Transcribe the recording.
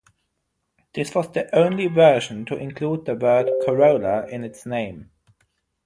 This was the only version to include the word "Corolla" in its name.